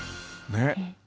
ねっ！